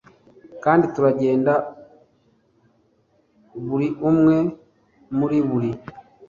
kandi turagenda, buri umwe muri buri,